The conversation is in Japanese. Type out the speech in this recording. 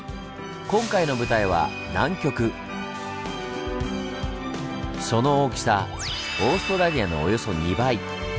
今回の舞台はその大きさオーストラリアのおよそ２倍。